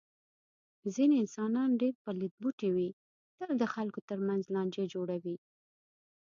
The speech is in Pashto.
ځنې انسانان ډېر پلیت بوټی وي. تل د خلکو تر منځ لانجې جوړوي.